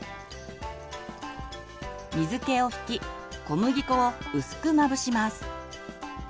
水けを拭き小麦粉を薄くまぶします。